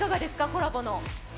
コラボの。